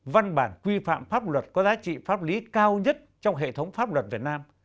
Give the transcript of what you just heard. văn bản quy phạm pháp luật có giá trị pháp lý cao nhất trong hệ thống pháp luật việt nam